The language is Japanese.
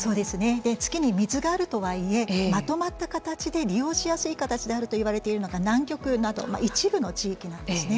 月に水があるとはいえまとまった形で利用しやすい形であるといわれているのが南極など一部の地域なんですね。